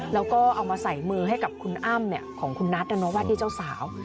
แล้วก็เอามาใส่มือให้กับคุณอ้ำของคุณนัทว่าที่เจ้าสาว